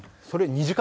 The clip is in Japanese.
２時間！？